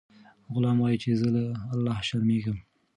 غلام وایي چې زه له الله شرمیږم.